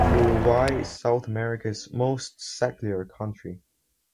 Uruguay is South America's most secular country.